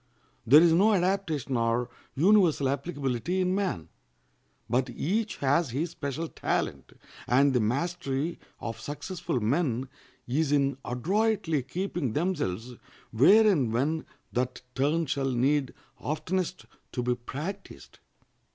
There is no adaptation or universal applicability in man; but each has his special talent, and the mastery of successful men is in adroitly keeping themselves where and when that turn shall need oftenest to be practiced.